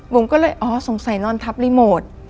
ผมก็เลยอ๋อสงสัยนอนทับรีโมท